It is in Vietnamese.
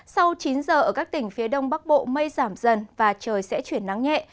sau chín giờ ở các tỉnh phía đông bắc bộ mây giảm dần và trời sẽ chuyển nắng nhẹ